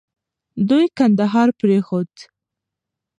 دوی کندهار پرېښود.